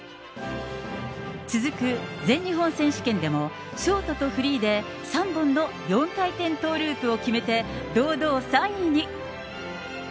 続く全日本選手権でも、ショートとフリーで３本の４回転トーループを決めて、堂々３位に。